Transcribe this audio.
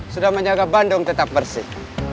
sudah menjaga bandung tetap bersih